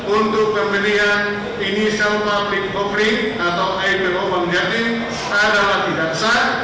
untuk pemberian inisial public covering atau ipr bank jatim adalah tidak sah